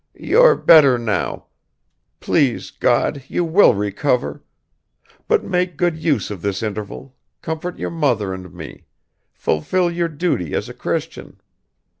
"You're better now; please God, you will recover; but make good use of this interval, comfort your mother and me, fulfill your duty as a Christian!